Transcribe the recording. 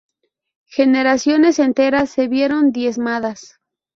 Generaciones enteras se vieron diezmadas.